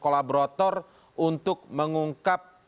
kolaborator untuk mengungkap